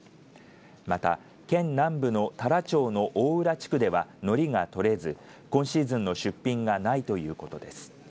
また、県南部の太良町の大浦地区ではのりが取れず今シーズンの出品がないということです。